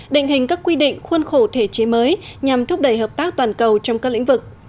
định hình các quy định khuôn khổ thể chế mới nhằm thúc đẩy hợp tác toàn cầu trong các lĩnh vực